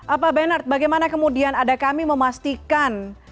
apa benar bagaimana kemudian ada kami memastikan